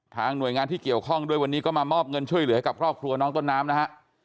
หน่วยงานที่เกี่ยวข้องด้วยวันนี้ก็มามอบเงินช่วยเหลือให้กับครอบครัวน้องต้นน้ำนะฮะ